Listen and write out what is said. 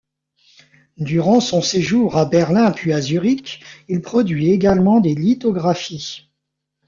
Durant son séjour à Berlin puis à Zurich, il produit également des lithographies.